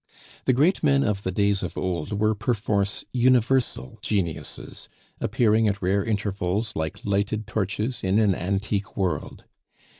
The great men of the days of old were perforce universal geniuses, appearing at rare intervals like lighted torches in an antique world.